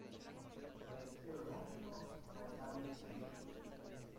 ¿Es pleonástico o está bien escrito?